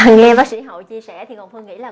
nghe bác sĩ hậu chia sẻ thì ngọc phương nghĩ là